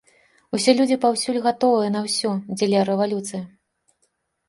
Усе людзі паўсюль гатовыя на ўсё дзеля рэвалюцыі!